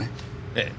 ええ。